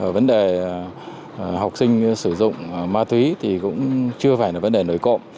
vấn đề học sinh sử dụng ma túy thì cũng chưa phải là vấn đề nổi cộng